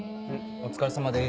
お疲れさまです。